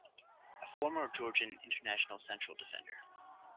A former Georgian international central defender.